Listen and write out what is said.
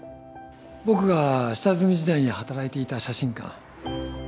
僕が下積み時代に働いていた写真館